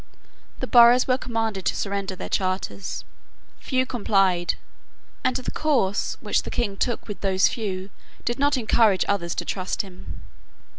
The boroughs were commanded to surrender their charters. Few complied; and the course which the King took with those few did not encourage others to trust him.